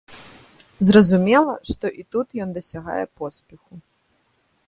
Зразумела, што і тут ён дасягае поспеху.